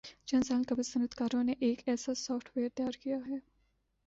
چند سال قبل صنعتکاروں نے ایک ایسا سافٹ ویئر تیار کیا ہے